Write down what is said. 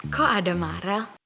kok ada marel